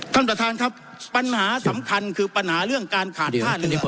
ท่านประธานครับปัญหาสำคัญคือปัญหาเรื่องการขาดท่านดีกว่า